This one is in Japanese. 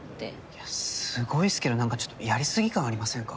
いやすごいっすけど何かちょっとやり過ぎ感ありませんか？